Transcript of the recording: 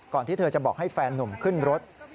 ที่เธอจะบอกให้แฟนนุ่มขึ้นรถ